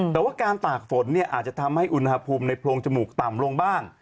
แต่ว่าการตากฝนเนี่ยอาจจะทำให้อุณหภูมิในโพรงจมูกต่ำลงบ้าง